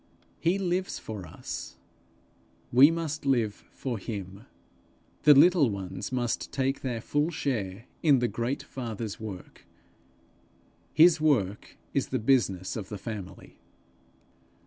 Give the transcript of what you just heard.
He lives for us; we must live for him. The little ones must take their full share in the great Father's work: his work is the business of the family.